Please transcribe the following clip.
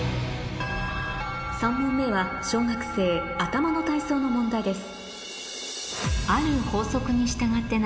３問目は小学生頭の体操の問題です